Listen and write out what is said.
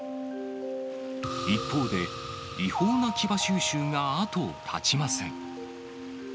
一方で、違法な牙収集が後を絶ちません。